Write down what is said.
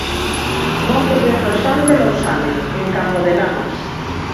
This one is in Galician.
Montes de Froxán de Lousame En Campo de Lamas.